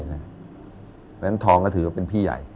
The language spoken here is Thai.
เพราะฉะนั้นทองก็ถือว่าเป็นพี่ใหญ่